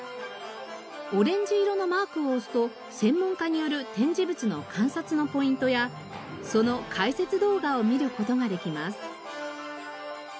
オレンジ色のマークを押すと専門家による展示物の観察のポイントやその解説動画を見る事ができます。